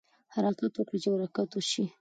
حرکت وکړئ چې برکت وشي.